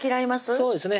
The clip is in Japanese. そうですね